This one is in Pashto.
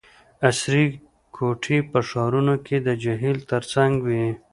عصري کوټي په ښارونو کې د جهیل ترڅنګ وي